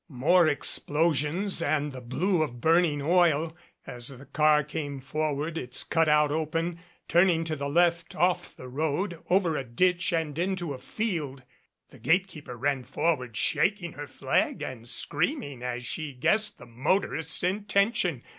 More explo sions and the blue of burning oil as the car came forward, its cutout open, turning to the left off the road over a ditch and into a field. The gate keeper ran forward shak ing her flag and screaming as she guessed the motorist's intention.